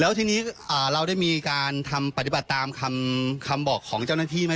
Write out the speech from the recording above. แล้วทีนี้เราได้มีการทำปฏิบัติตามคำบอกของเจ้าหน้าที่ไหม